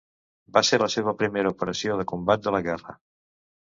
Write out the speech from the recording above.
Va ser la seva primera operació de combat de la guerra.